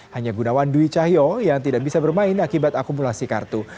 hanya gunawan dwi cahyo yang tidak bisa bermain akibat akumulasi kartu